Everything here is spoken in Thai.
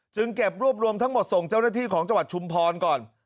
เก็บรวบรวมทั้งหมดส่งเจ้าหน้าที่ของจังหวัดชุมพรก่อน